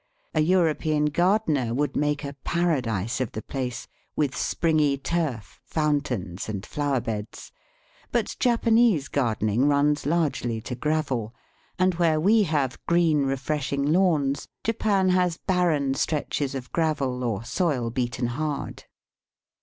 A European gardener would make a paradise of the place, with springy turf, fountains, and flower beds. But Japanese gardening runs largely to gravel, and where we have green refreshing lawns Japan has barren stretches of gravel or soil beaten hard.